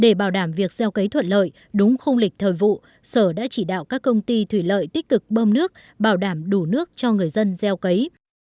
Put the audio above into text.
để bảo đảm việc gieo cấy thuận lợi đúng không lịch thời vụ sở đã chỉ đạo các công ty thủy lợi tích cực bơm nước bảo đảm đủ nước cho người dân gieo cấy